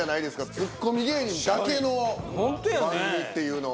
ツッコミ芸人だけの番組っていうのは。